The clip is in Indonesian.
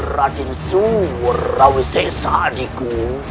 radin suwerawisesa adikku